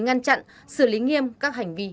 ngăn chặn xử lý nghiêm các hành vi